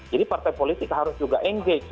jadi partai politik harus juga engage